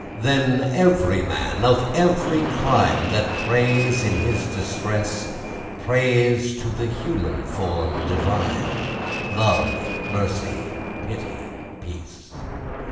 Then every man, of every clime, That prays in his distress, Prays to the human form divine: Love, Mercy, Pity, Peace.